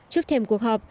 trước thèm cuộc họp